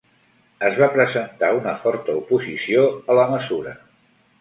Es va presentar una forta oposició a la mesura.